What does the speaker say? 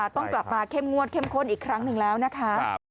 ต้องกลับมาเข้มงวดเข้มข้นอีกครั้งหนึ่งแล้วนะคะ